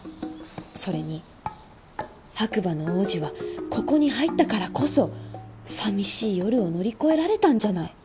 それに白馬の王子はここに入ったからこそさみしい夜を乗り越えられたんじゃない。